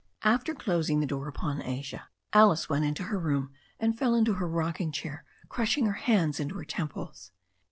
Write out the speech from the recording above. After closing the door upon Asia, Alice went into her room, and fell into her rocking chair, crushing her hands into her temples.